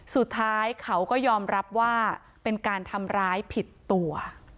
สุดท้ายเขาก็ยอมรับว่าเป็นการทำร้ายผิดตัว